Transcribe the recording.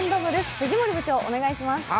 藤森部長、お願いします。